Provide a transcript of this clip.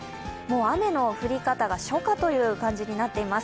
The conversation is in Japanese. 雨の降り方が初夏という状況になっています。